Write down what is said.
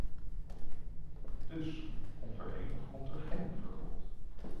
Dus, komt er een of komt er geen verbod?